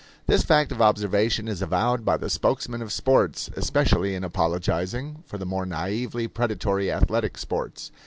This fact of observation is avowed by the spokesmen of sports, especially in apologizing for the more naively predatory athletic sports.